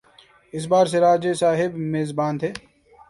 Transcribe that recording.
اس بار سراج صاحب میزبان تھے۔